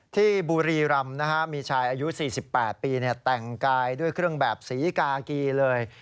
ที่บุรีรำมีชายอายุ๔๘ปีแต่งกายด้วยเครื่องแบบศรีกากีเลย